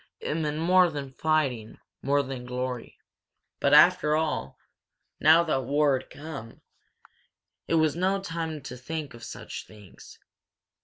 It meant more than fighting, more than glory. But, after all, now that war had come, it was no time to think of such things.